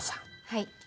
はい。